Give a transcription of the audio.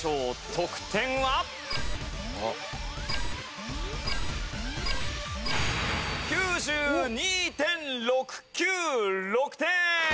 得点は？９２．６９６点！